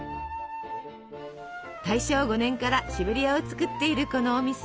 大正５年からシベリアを作っているこのお店。